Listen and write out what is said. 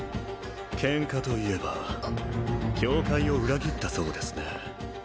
ケンカといえば教会を裏切ったそうですね